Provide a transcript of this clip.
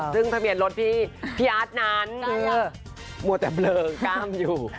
ซึ่งทะเบียนรถพี่อาร์ตนั้นมัวแต่เบลอกล้ามอยู่